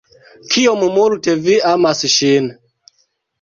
Kiom multe vi amas ŝin.